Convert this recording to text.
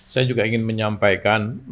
saya juga ingin menyampaikan